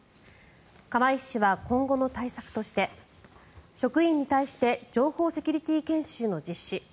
釜石市は今後の対策として職員に対して情報セキュリティー研修の実施